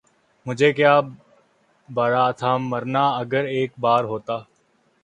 مجھے کیا برا تھا مرنا اگر ایک بار ہوتا